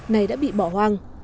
này đã bị bỏ hoang